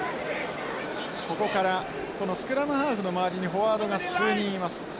ここからこのスクラムハーフの周りにフォワードが数人います。